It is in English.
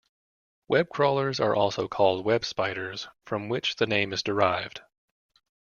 Web crawlers are also called web spiders, from which the name is derived.